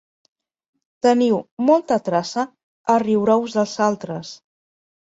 Teniu molta traça a riure-us dels altres.